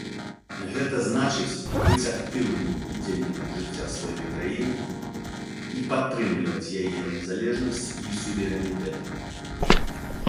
Гэта значыць быць актыўным удзельнікам жыцця сваёй краіны і падтрымліваць яе незалежнасць і суверэнітэт.